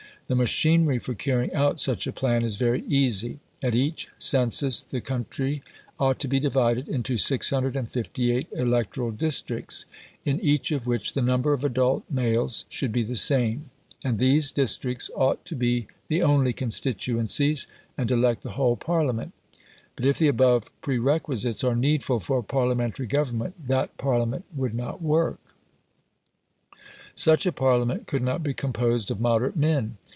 The machinery for carrying out such a plan is very easy. At each census the country ought to be divided into 658 electoral districts, in each of which the number of adult males should be the same; and these districts ought to be the only constituencies, and elect the whole Parliament. But if the above prerequisites are needful for Parliamentary government, that Parliament would not work. Such a Parliament could not be composed of moderate men.